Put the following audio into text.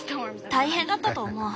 大変だったと思う。